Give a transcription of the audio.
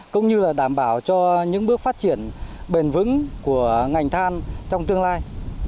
cũng như là đảm bảo cho những bước phát triển bền vững của ngành than trong tương lai